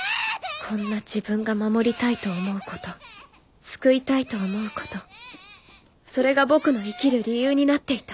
こんな自分が守りたいと思うこと救いたいと思うことそれが僕の生きる理由になっていた。